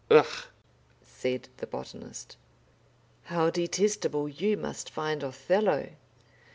"Ugh!" said the botanist. "How detestable you must find Othello!"